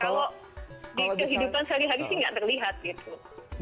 kalau di kehidupan sehari hari sih nggak terlihat gitu